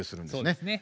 そうですね。